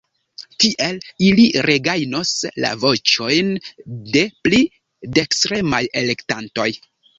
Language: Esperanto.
Tiel ili regajnos la voĉojn de pli dekstremaj elektantoj.